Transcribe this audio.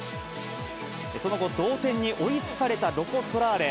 その後、同点に追いつかれたロコ・ソラーレ。